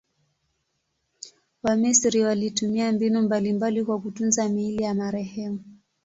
Wamisri walitumia mbinu mbalimbali kwa kutunza miili ya marehemu.